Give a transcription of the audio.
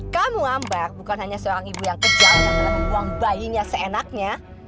kamu ambar bukan hanya seorang ibu yang kejar dan membuang bayinya seenaknya